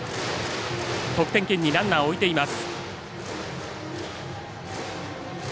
得点圏にランナーを置いています。